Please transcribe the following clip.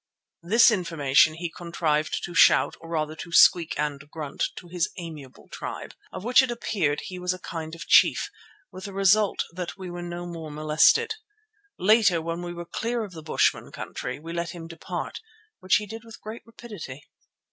This information he contrived to shout, or rather to squeak and grunt, to his amiable tribe, of which it appeared he was a kind of chief, with the result that we were no more molested. Later, when we were clear of the bushmen country, we let him depart, which he did with great rapidity.